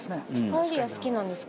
パエリア好きなんですか？